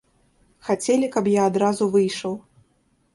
Хацелі, каб я адразу выйшаў.